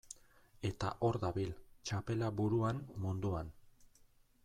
Eta hor dabil, txapela buruan, munduan.